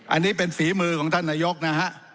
อันนี้เป็นฝีมือของท่านนายกนะฮะ